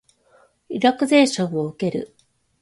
リラクゼーションを受ける